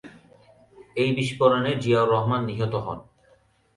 এই বিস্ফোরণে জিয়াউর রহমান নিহত হন।